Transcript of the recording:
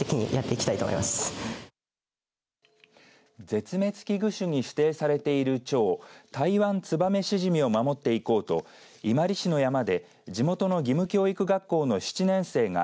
絶滅危惧種に指定されているちょうタイワンツバメシジミを守っていこうと伊万里市の山で地元の義務教育学校の７年生が